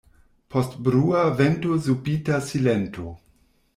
Post brua vento subita silento.